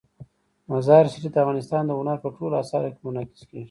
مزارشریف د افغانستان د هنر په ټولو اثارو کې منعکس کېږي.